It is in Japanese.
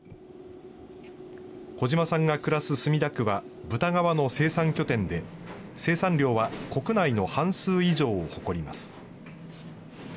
児嶋さんが暮らす墨田区は、豚革の生産拠点で、生産量は国内の半数以上を誇ります。